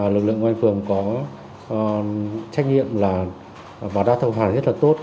lực lượng ngoài phường có trách nhiệm và đa thầu hẳn rất tốt